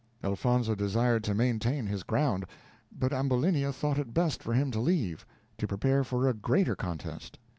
Elfonzo desired to maintain his ground, but Ambulinia thought it best for him to leave, to prepare for a greater contest.